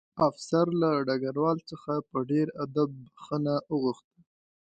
افسر له ډګروال څخه په ډېر ادب بښنه وغوښته